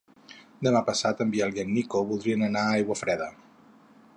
Demà passat en Biel i en Nico voldrien anar a Aiguafreda.